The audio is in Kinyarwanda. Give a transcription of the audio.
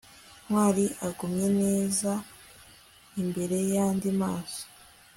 ntwali agumye neza imbere yandi masomo